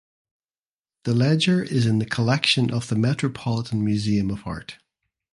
The ledger is in the collection of the Metropolitan Museum of Art.